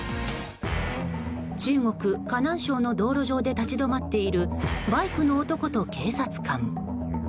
中国・河南省の道路上で立ち止まっているバイクの男と警察官。